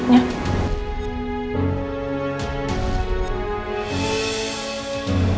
al ada benarnya mah